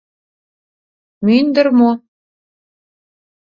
Мӱндыр мо?